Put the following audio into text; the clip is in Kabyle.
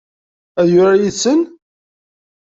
Ad yurar yid-sen?